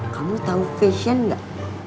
kamu tau fashion gak